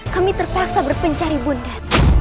kami terpaksa berpencari ibu nia